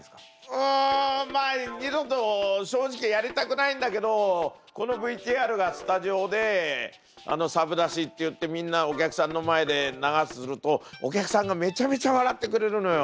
うんまあ二度と正直やりたくないんだけどこのＶＴＲがスタジオでサブ出しっていってみんなお客さんの前で流すとお客さんがめちゃめちゃ笑ってくれるのよ。